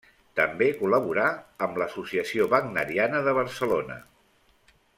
També col·laborà amb l'Associació Wagneriana de Barcelona.